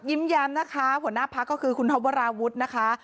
ยิ้มยันนะคะหัวหน้าภาคก็คือคุณทอบวราวุธนะคะ